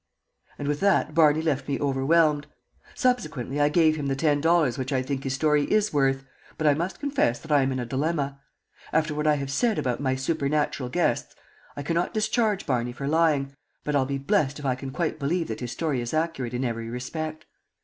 And with that Barney left me overwhelmed. Subsequently I gave him the ten dollars which I think his story is worth, but I must confess that I am in a dilemma. After what I have said about my supernatural guests, I cannot discharge Barney for lying, but I'll be blest if I can quite believe that his story is accurate in every respect.